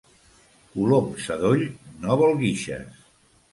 Colom sadoll no vol guixes.